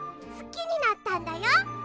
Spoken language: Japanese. すきになったんだよ